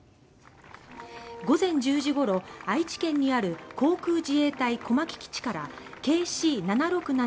午前１０時ごろ、愛知県にある航空自衛隊小牧基地からＫＣ７６７